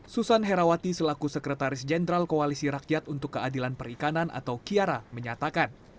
susan herawati selaku sekretaris jenderal koalisi rakyat untuk keadilan perikanan atau kiara menyatakan